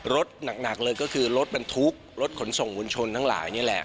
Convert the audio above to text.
รถหนักเลยก็คือรถบรรทุกรถขนส่งมวลชนทั้งหลายนี่แหละ